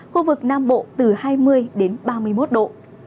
khu vực nam bộ từ hai mươi đến ba mươi một độ